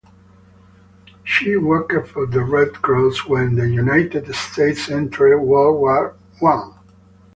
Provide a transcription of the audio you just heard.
She worked for the Red Cross when the United States entered World War One.